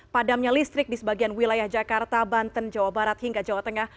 padamnya listrik di sebagian wilayah jakarta banten jawa barat hingga jawa tengah